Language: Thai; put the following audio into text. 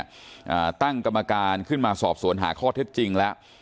อ่าตั้งกรรมการขึ้นมาสอบสวนหาข้อเท็จจริงแล้ว